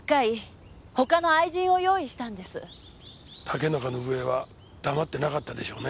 竹中伸枝は黙ってなかったでしょうね。